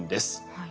はい。